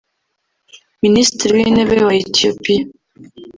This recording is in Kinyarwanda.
Minisitiri w’intebe wa Ethiopia